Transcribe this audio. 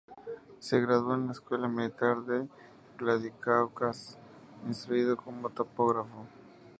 Se graduó en la escuela militar de Vladikavkaz, instruido como topógrafo.